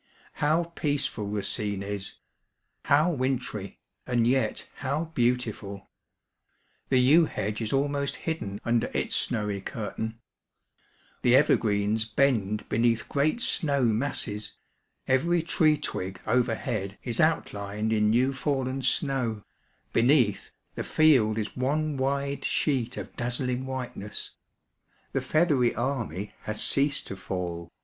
How peaceful the scene is; how wintry, and yet how beautiful ! The yew hedge is almost hidden under its snowy cur tain ; the evergreens bend beneath great snow masses ; every tree twig overhead is outhned in new faUen snow ; beneath, the field is one wide sheet of dazsUng whiteness. The feathery army has ceased to fall.